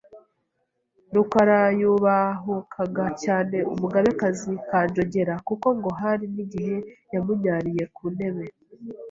Rukara yubahukaga cyane umugabekazi Kanjogera kuko ngo hari n’igihe yamunyariye ku ntebe